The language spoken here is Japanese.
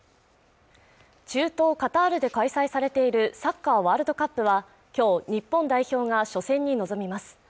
中東カタールで開催されているサッカーワールドカップは今日日本代表が初戦に臨みます